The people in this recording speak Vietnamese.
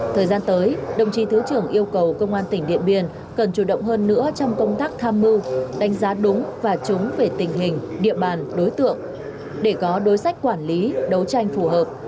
thời gian tới đồng chí thứ trưởng yêu cầu công an tỉnh điện biên cần chủ động hơn nữa trong công tác tham mưu đánh giá đúng và trúng về tình hình địa bàn đối tượng để có đối sách quản lý đấu tranh phù hợp